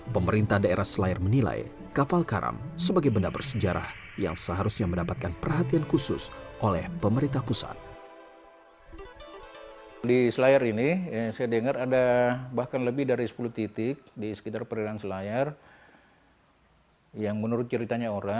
pemerintah daerah selayar menilai kapal karam sebagai benda bersejarah yang seharusnya mendapatkan perhatian khusus oleh pemerintah pusat